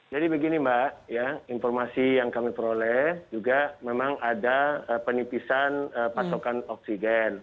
jadi begini mbak informasi yang kami peroleh juga memang ada penipisan pasokan oksigen